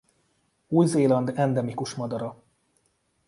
Új-Zéland endemikus madara.